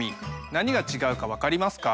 何が違うか分かりますか？